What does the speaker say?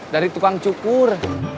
dari tukang cukur